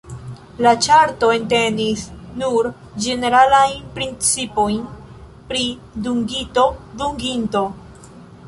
La ĉarto entenis nur ĝeneralajn principojn pri dungito-dunginto.